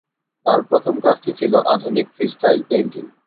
তার প্রথম কাজটি ছিল আধুনিক ফ্রিস্টাইল পেইন্টিং।